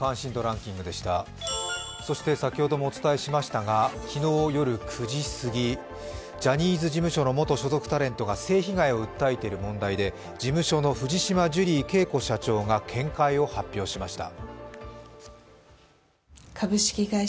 そして先ほどもお伝えしましたが、昨日夜９時すぎジャニーズ事務所の元所属タレントが性被害を訴えている問題で事務所の藤島ジュリー景子社長が見解を発表しました。